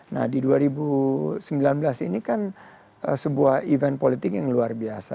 nah di dua ribu sembilan belas ini kan sebuah event politik yang luar biasa